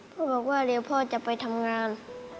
ก็บอกว่าเดี๋ยวพ่อจะไปทำงาน